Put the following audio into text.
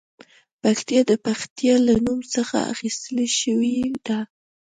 پکتیا د پښتیا له نوم څخه اخیستل شوې ده